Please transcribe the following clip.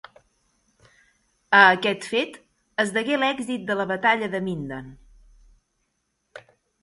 A aquest fet es degué l'èxit de la Batalla de Minden.